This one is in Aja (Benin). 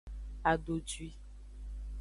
Adodwi.